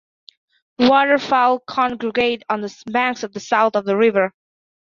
Waterfowl congregate on the banks of the south of the river.